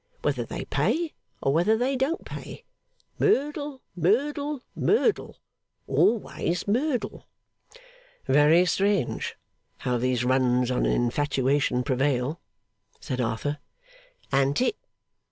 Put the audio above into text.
Whether they pay, or whether they don't pay. Merdle, Merdle, Merdle. Always Merdle.' 'Very strange how these runs on an infatuation prevail,' said Arthur. 'An't it?